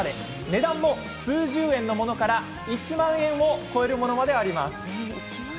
値段も数十円のものから１万円を超えるものまであります。